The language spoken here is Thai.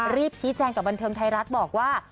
รีบชี้แจงกับบันเทิงไทยรัฐบอกว่า